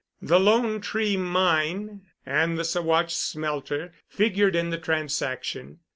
The "Lone Tree" mine and the Saguache Smelter figured in the transaction.